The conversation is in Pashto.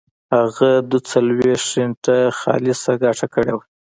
هغه دوه څلوېښت سنټه خالصه ګټه کړې وه